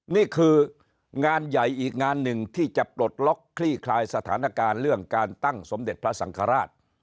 นี่คืองานใหญ่อีกงานหนึ่งที่จะปลดล็อกคลี่คลายสถานการณ์เรื่องการตั้งสมเด็จพระสังฆราช